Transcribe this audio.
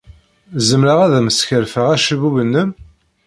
Zemreɣ ad am-skerfeɣ acebbub-nnem?